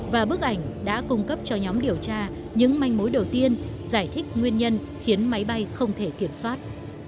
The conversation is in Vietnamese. và bức ảnh đã cung cấp cho nhóm điều tra những manh mối đầu tiên giải thích nguyên nhân khiến máy bay không thể kiểm soát